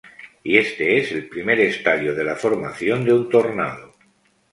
Y este es el primer estadio de la formación de un tornado.